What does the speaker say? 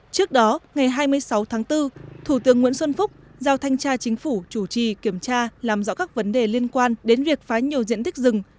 trước đó ngày hai mươi sáu tháng bốn thủ tướng nguyễn xuân phúc giao thanh tra chính phủ chủ trì kiểm tra làm rõ các vấn đề liên quan đến việc phá nhiều diện tích rừng